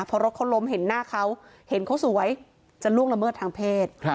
พอรถเขาล้มเห็นหน้าเขาเห็นเขาสวยจะล่วงละเมิดทางเพศ